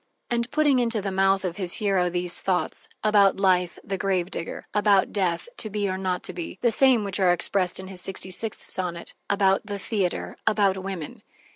And putting into the mouth of his hero these thoughts: about life (the grave digger), about death (To be or not to be) the same which are expressed in his sixty sixth sonnet about the theater, about women.